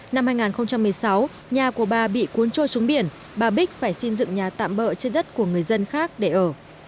năm hai nghìn một mươi sáu nhà của bà bị cuốn trôi xuống biển bà bích phải xây dựng nhà tạm bỡ trên đất của người dân khác để ở